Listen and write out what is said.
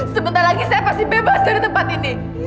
sebentar lagi saya pasti bebas dari tempat ini